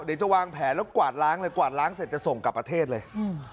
เดี๋ยวจะวางแผนแล้วกวาดล้างเลยกวาดล้างเสร็จจะส่งกลับประเทศเลย